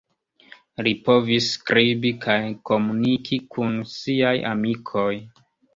Li povis skribi kaj komuniki kun siaj amikoj.